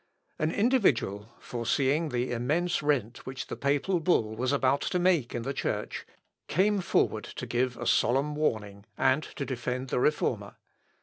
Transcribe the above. An individual, foreseeing the immense rent which the papal bull was about to make in the Church, came forward to give a solemn warning, and to defend the Reformer.